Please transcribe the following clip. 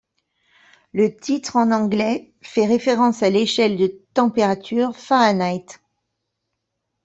Le titre en anglais fait référence à l'échelle de température Fahrenheit.